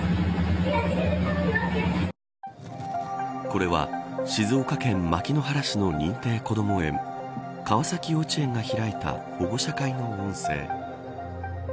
これは静岡県牧之原市の認定こども園川崎幼稚園が開いた保護者会の音声。